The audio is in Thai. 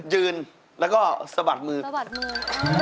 ยืนแล้วก็สะบัดมือสะบัดมือ